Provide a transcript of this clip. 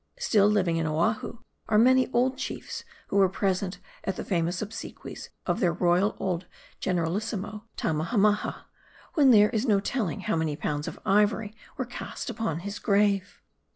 Still living in Oahu, are many old chiefs, who were present at the famous obsequies of their royal old generalissimo, Tamma hammaha, when there is no telling how many pounds of ivory were cast upon his grave.